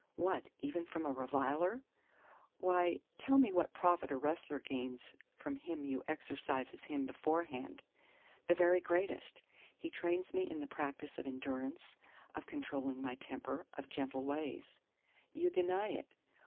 "What, even from a reviler?" Why, tell me what profit a wrestler gains from him who exercises him beforehand? The very greatest: he trains me in the practice of endurance, of controlling my temper, of gentle ways. You deny it.